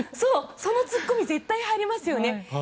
その突っ込み絶対入りますよね。